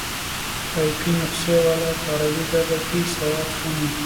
ټایپي نسخې والا په عربي ژبه کې سواد کم وو.